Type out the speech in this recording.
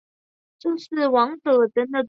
母翟氏。